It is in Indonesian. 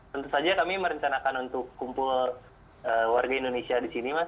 tentu saja kami merencanakan untuk kumpul warga indonesia di sini mas